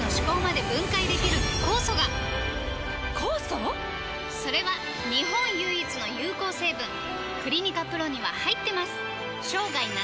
酵素⁉それは日本唯一の有効成分「クリニカ ＰＲＯ」には入ってます！